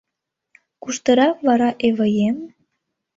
Куштырак вара Эваем?